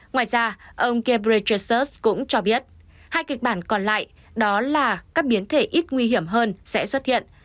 ngoài ra ông ghebre chassers cũng cho biết hai kịch bản còn lại đó là các biến thể ít nguy hiểm hơn sẽ xuất hiện